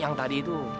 yang tadi itu